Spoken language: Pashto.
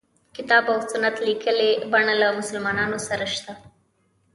کتاب او سنت لیکلي بڼه له مسلمانانو سره شته.